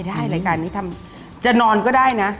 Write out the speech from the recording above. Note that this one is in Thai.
ถ้าให้รายการนี้ทำจะนอนก็ได้นะ